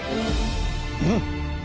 うん！